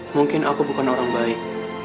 mungkin aku bukan orang baik